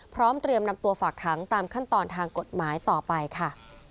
เตรียมนำตัวฝากขังตามขั้นตอนทางกฎหมายต่อไปค่ะ